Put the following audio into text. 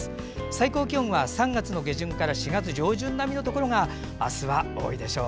最高気温は３月下旬から４月上旬並みのところが明日は多いでしょう。